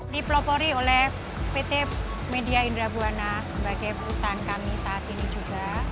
dipelopori oleh pt media indra buwana sebagai perusahaan kami saat ini juga